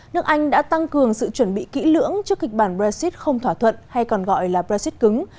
nước anh đã tăng cường sự chuẩn bị kỹ lưỡng trước kịch bản brexit không thỏa thuận hay còn gọi là brexit cứng